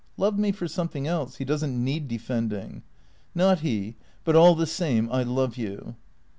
" Love me for something else. He does n't need defending." " Not he ! But all the same I love you."